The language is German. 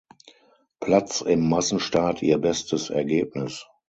Platz im Massenstart ihr bestes Ergebnis.